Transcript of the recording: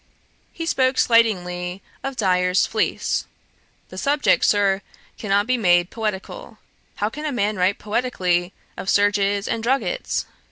He spoke slightingly of Dyer's Fleece. 'The subject, Sir, cannot be made poetical. How can a man write poetically of serges and druggets?